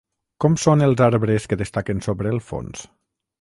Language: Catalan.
Com són els arbres que destaquen sobre els fons?